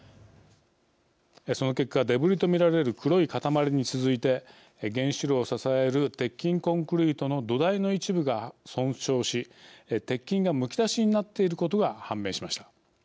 その結果、デブリと見られる黒い塊に続いて原子炉を支える鉄筋コンクリートの土台の一部が損傷し鉄筋がむき出しになっていることが判明しました。